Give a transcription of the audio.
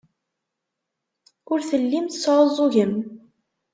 Ur tellim tesɛuẓẓugem.